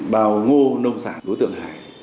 bao ngô nông sản đối tượng hải